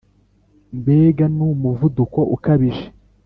mbega numuvuduko ukabije,